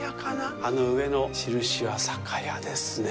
あの上の印は酒屋ですねぇ。